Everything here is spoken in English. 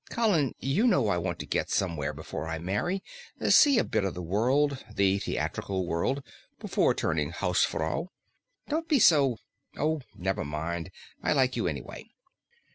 "Colin, you know I want to get somewhere before I marry see a bit of the world, the theatrical world, before turning hausfrau. Don't be so Oh, never mind. I like you anyway."